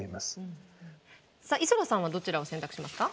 さあ磯田さんはどちらを選択しますか。